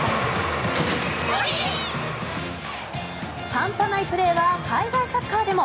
半端ないプレーは海外サッカーでも。